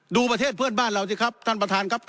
ประเทศเพื่อนบ้านเราสิครับท่านประธานครับ